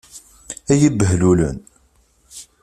Ay ibehlulen!